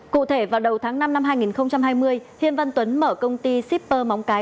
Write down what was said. cụ thể vào đầu tháng năm năm hai nghìn hai mươi hêm văn tuấn mở công ty shipper móng cái